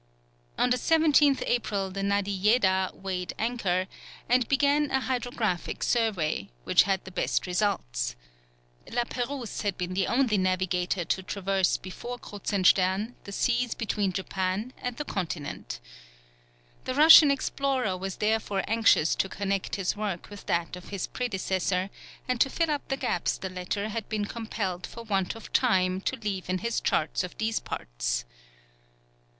On the 17th April the Nadiejeda weighed anchor, and began a hydrographic survey, which had the best results. La Pérouse had been the only navigator to traverse before Kruzenstern the seas between Japan and the continent. The Russian explorer was therefore anxious to connect his work with that of his predecessor, and to fill up the gaps the latter had been compelled for want of time to leave in his charts of these parts.